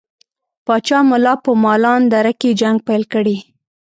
پاچا ملا په مالان دره کې جنګ پیل کړي.